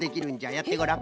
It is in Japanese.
やってごらん。